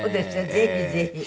ぜひぜひ。